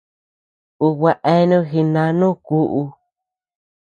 Ú gua eanu jinánu kúʼu.